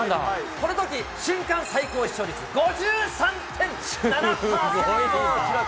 このとき、瞬間最高視聴率５３．７％を記録。